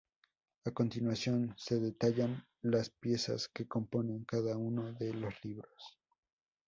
A continuación se detallan las piezas que componen cada uno de los libros.